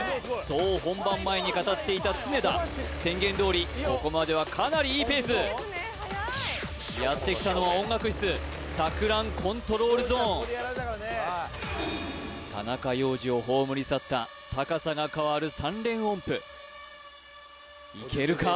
そう本番前に語っていた常田宣言どおりここまではかなりいいペースやってきたのは音楽室錯乱コントロールゾーン田中要次を葬り去った高さが変わる３連音符いけるか？